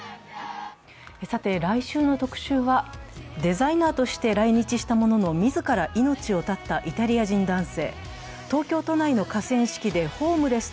来週の「特集」はデザイナーとして来日したものの自ら命を絶ったイタリア人男性。